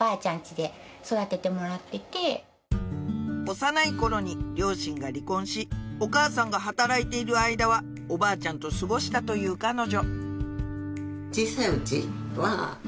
幼い頃に両親が離婚しお母さんが働いている間はおばあちゃんと過ごしたという彼女